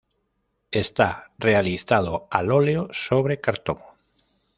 Está realizado al óleo sobre cartón.